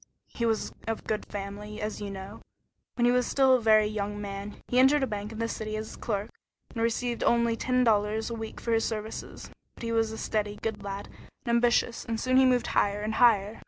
He was of good family, as you know. When he was still a very young man, he entered a bank in the city as clerk, and received only ten dollars a week for his services, but he was a steady, good lad, and ambitious, and soon he moved higher and higher.